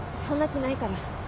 そんな気ないから。